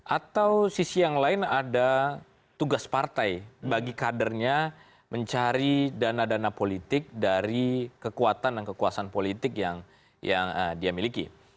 atau sisi yang lain ada tugas partai bagi kadernya mencari dana dana politik dari kekuatan dan kekuasaan politik yang dia miliki